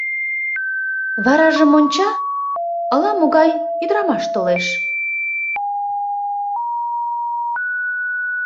Варажым онча: ала-могай ӱдырамаш толеш...